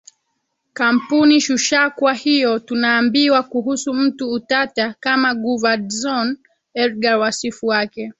kampuni ShushaKwa hiyo tunaambiwa kuhusu mtu utata kama Guver Dzhon Edgar wasifu wake